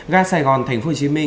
ra sài gòn tp hcm